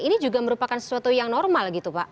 ini juga merupakan sesuatu yang normal gitu pak